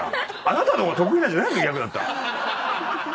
あなたの方が得意なんじゃないの？